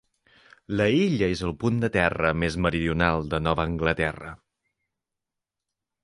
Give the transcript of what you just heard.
La illa és el punt de terra més meridional de Nova Anglaterra.